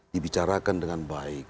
dibicarakan dengan baik